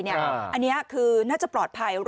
อันนี้คือน่าจะปลอดภัย